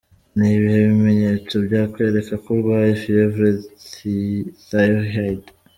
Ni ibihe bimenyetso byakwereka ko urwaye fievre tyhoide?.